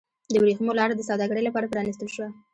د ورېښمو لاره د سوداګرۍ لپاره پرانیستل شوه.